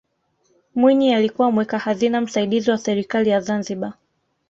mwinyi alikuwa mweka hazina msaidizi wa serikali ya zanzibar